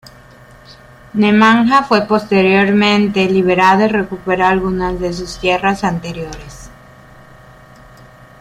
Nemanja fue posteriormente liberado y recuperó algunas de sus tierras anteriores.